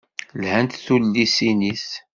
Lhant tullisin-is.